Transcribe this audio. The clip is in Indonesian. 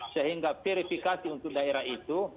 sehingga verifikasi untuk daerah itu